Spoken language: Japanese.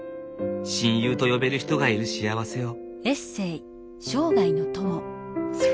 親友と呼べる人がいる幸せを。